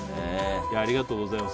ありがとうございます。